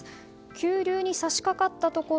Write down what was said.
急流に差し掛かったところ